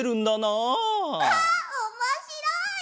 あっおもしろい！